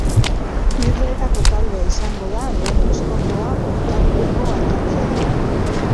Irletako taldea izango da lehen oztopoa urtarrileko aldatzean.